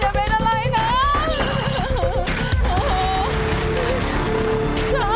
ขับไว้เร็วหน่อยนะจ้า